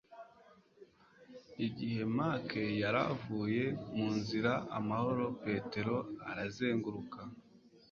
Igihe Mac yari avuye mu nzira amahoro, Petero arazenguruka